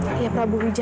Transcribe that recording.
ayah prabu hijaya